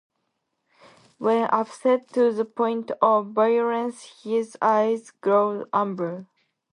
When upset to the point of violence his eyes glowed amber.